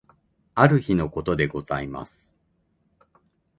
ある日のことでございます。